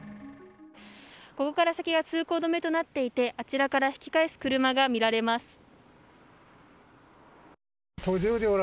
ここから先は通行止めとなっていてあちらから引き返す車が見られます。